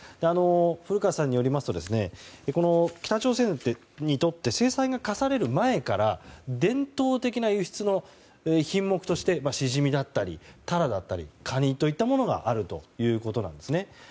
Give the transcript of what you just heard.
古川さんによりますと北朝鮮にとって制裁が科される前から伝統的な輸出の品目としてシジミだったりタラだったりカニといったものがあるということなんですね。